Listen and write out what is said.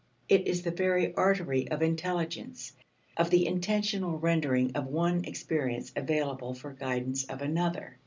It is the very artery of intelligence, of the intentional rendering of one experience available for guidance of another.